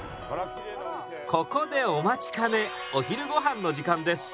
ここでお待ちかねお昼ごはんの時間です。